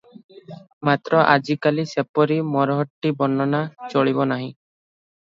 ମାତ୍ର, ଆଜିକାଲି ସେପରି ମରହଟ୍ଟୀ ବର୍ଣ୍ଣନା ଚଳିବ ନାହିଁ ।